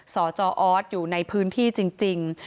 สจออสอยู่ในพื้นที่จริง